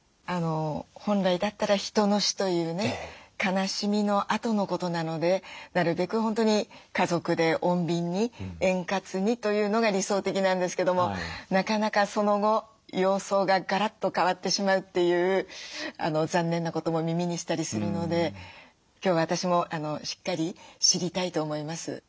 本来だったら人の死というね悲しみのあとのことなのでなるべく本当に家族で穏便に円滑にというのが理想的なんですけどもなかなかその後様相がガラッと変わってしまうという残念なことも耳にしたりするので今日は私もしっかり知りたいと思います。